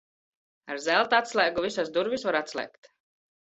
Ar zelta atslēgu visas durvis var atslēgt.